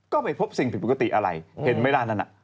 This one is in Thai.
ก็ไม่พบสิ่งผิดปกติอะไรเห็นไหมล่ะนั่นน่ะ